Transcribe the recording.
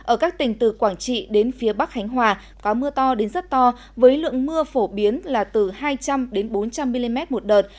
ở các tỉnh từ quảng trị đến phía bắc hánh hòa có mưa to đến rất to với lượng mưa phổ biến là từ hai trăm linh đến bốn trăm linh